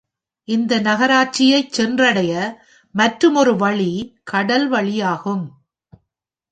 இந்த நகராட்சியைச் சென்றடைய மற்றுமொரு வழி கடல் வழியாகும்.